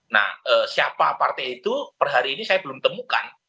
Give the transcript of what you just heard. nah siapa partai itu per hari ini saya belum temukan